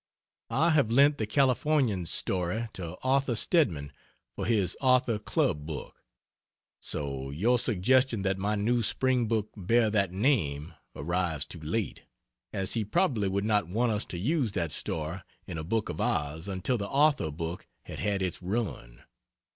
I have lent the Californian's Story to Arthur Stedman for his Author Club Book, so your suggestion that my new spring book bear that name arrives too late, as he probably would not want us to use that story in a book of ours until the Author book had had its run.